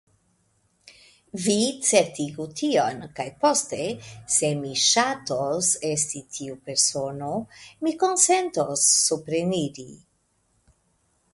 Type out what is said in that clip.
Vi certigu tion, kaj poste, se mi ŝatos esti tiu persono, mi konsentos supreniri.